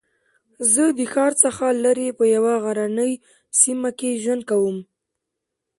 زه د ښار څخه لرې په یوه غرنۍ سېمه کې ژوند کوم